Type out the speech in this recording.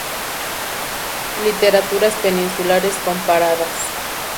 Literaturas peninsulares comparadas.